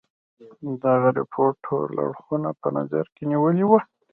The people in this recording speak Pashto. دغه رپوټ ټول اړخونه په نظر کې نیولي وه.